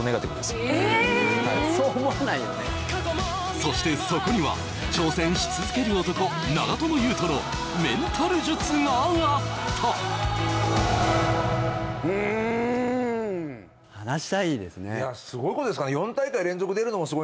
そしてそこには挑戦し続ける男、長友佑都のメンタル術があった。